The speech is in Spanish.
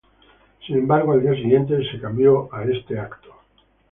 Sin embargo, al día siguiente, se cambió a este evento.